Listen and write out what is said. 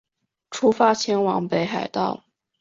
出发前往北海道